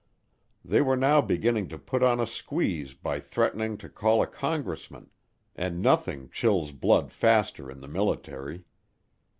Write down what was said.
They were now beginning to put on a squeeze by threatening to call a congressman and nothing chills blood faster in the military.